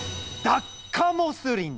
ダッカモスリン？